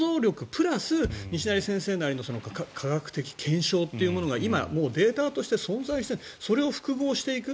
プラス西成先生なりの科学的検証というのが今、データとして存在してそれを複合していく。